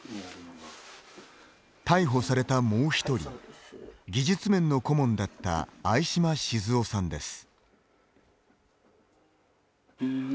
逮捕された、もう１人、技術面の顧問だった相嶋静夫さんです。